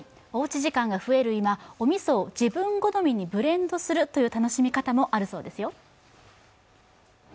おうち時間が増える今、おみそを自分好みにブレンドするという楽しみ方もあるそうですよ。